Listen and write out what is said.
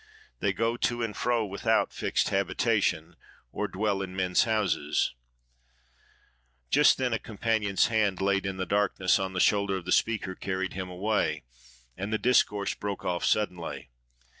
They go to and fro without fixed habitation: or dwell in men's houses"— Just then a companion's hand laid in the darkness on the shoulder of the speaker carried him away, and the discourse broke off suddenly.